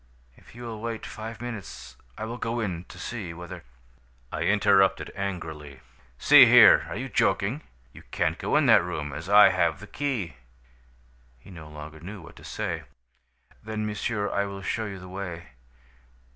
If you will wait five minutes, I will go in to see whether ' "I interrupted angrily: "'See here, are you joking? You can't go in that room, as I have the key!' "He no longer knew what to say. "'Then, monsieur, I will show you the way.'